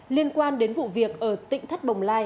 liên quan đến vụ việc ở tỉnh thất bồng lai